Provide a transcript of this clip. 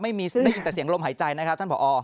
ได้ยินแต่เสียงลมหายใจนะครับท่านผอ